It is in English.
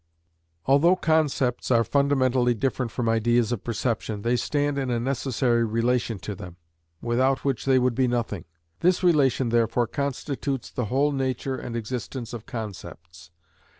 Although concepts are fundamentally different from ideas of perception, they stand in a necessary relation to them, without which they would be nothing. This relation therefore constitutes the whole nature and existence of concepts.